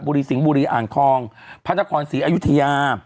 สิงห์บุรีอ่างทองพระนครศรีอยุธยา